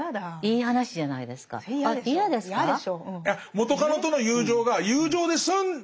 元カノとの友情が友情で済んで。